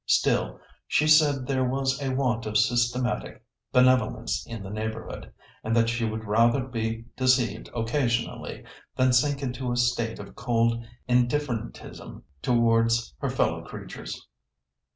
Still, she said there was a want of systematic benevolence in the neighbourhood, and that she would rather be deceived occasionally, than sink into a state of cold indifferentism towards her fellow creatures."